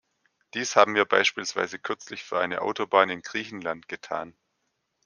Dies haben wir beispielsweise kürzlich für eine Autobahn in Griechenland getan.